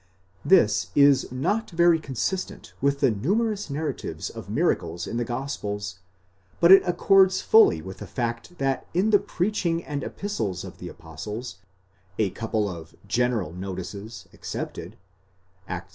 This is not very consistent with the numerous narratives of miracles in the gospels, but it accords fully with the fact that in the preaching and epistles of the apostles, a couple of general notices excepted (Acts ii.